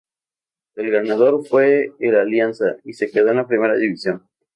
El Ganador fue el Alianza y se quedó en la primera división.